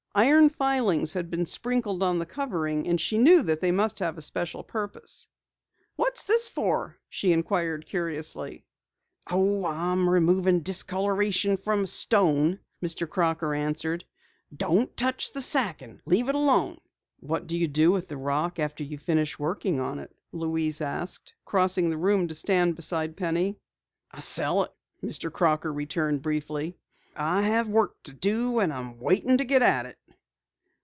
Iron filings had been sprinkled on the covering, and she knew that they must have a special purpose. "What is this for?" she inquired curiously. "Oh, I'm removing discoloration from a stone," Mr. Crocker answered. "Don't touch the sacking. Leave it alone." "What do you do with the rock after you finish working on it?" Louise asked, crossing the room to stand beside Penny. "I sell it," Mr. Crocker returned briefly. "I have work to do, and I'm waiting to get at it."